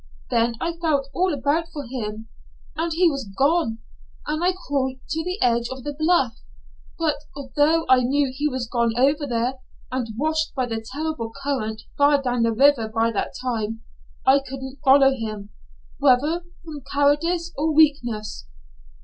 Then I felt all about for him and he was gone and I crawled to the edge of the bluff but although I knew he was gone over there and washed by the terrible current far down the river by that time, I couldn't follow him, whether from cowardice or weakness.